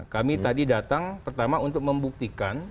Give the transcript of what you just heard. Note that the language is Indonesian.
kami tadi datang pertama untuk membuktikan